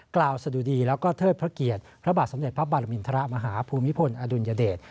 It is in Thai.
กล่าวสะดุดีแล้วก็เทิดพระเกียรติพระบาทสมเด็จพระปรมินทรมาฮภูมิพลอดุลยเดช